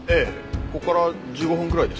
ここから１５分くらいですけど。